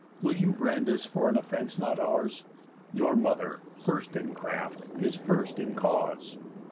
Will you brand us for an offence not ours? Your mother, first in craft, is first in cause.